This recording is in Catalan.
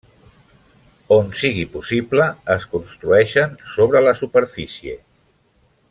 On sigui possible, es construïxen sobre la superfície.